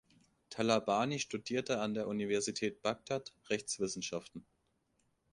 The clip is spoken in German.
Talabani studierte an der Universität Bagdad Rechtswissenschaften.